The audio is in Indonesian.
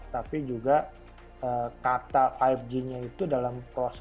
tapi juga kata lima g nya itu dalam proses